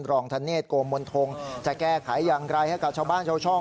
ธเนธโกมนทงจะแก้ไขอย่างไรให้กับชาวบ้านชาวช่อง